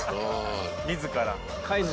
自ら。